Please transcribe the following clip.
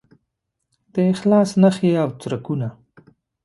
د اخلاص نښې او څرکونه